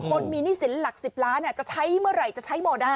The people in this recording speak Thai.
คนมีหนี้สินหลัก๑๐ล้านจะใช้เมื่อไหร่จะใช้โมเดอร์